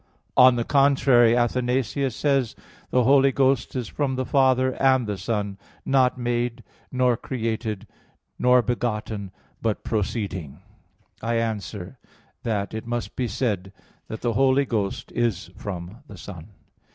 On the contrary, Athanasius says: "The Holy Ghost is from the Father and the Son; not made, nor created, nor begotten, but proceeding." I answer that, It must be said that the Holy Ghost is from the Son.